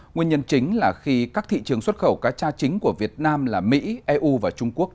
nguyên nhân chính là khi các thị trường xuất khẩu cá cha chính của việt nam là mỹ eu và trung quốc